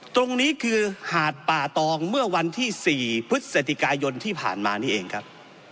ตรงนี้คือหาดป่าตองเมื่อวันที่๔พฤศจิกายนที่ผ่านมานี่เองครับ